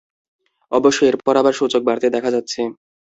অবশ্য এরপর আবার সূচক বাড়তে দেখা যাচ্ছে।